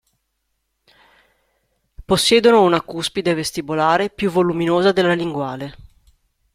Possiedono una cuspide vestibolare più voluminosa della linguale.